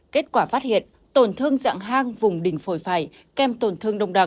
kết quả phát hiện tổn thương dạng hang vùng đỉnh phổi phải kem tổn thương đông đặc